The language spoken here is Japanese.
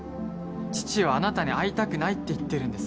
父はあなたに会いたくないって言ってるんです。